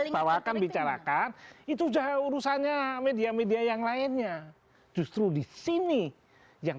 bahwa akan bicarakan itu sudah urusannya media media yang lainnya justru disini yang